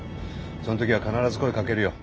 その時は必ず声かけるよ。